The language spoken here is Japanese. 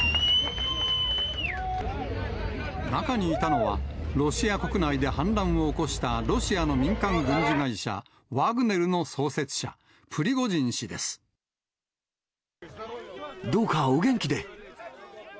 中にいたのは、ロシア国内で反乱を起こしたロシアの民間軍事会社、ワグネルの創どうかお元気で。